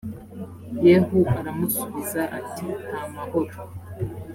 yehu aramusubiza ati nta mahoro